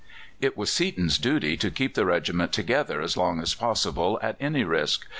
It was Seaton's duty to keep the regiment together as long as possible at any risk.